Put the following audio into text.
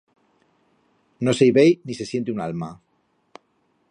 No se i vei, ni se siente un alma.